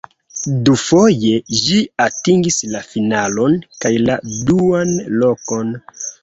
Dufoje ĝi atingis la finalon kaj la duan lokon.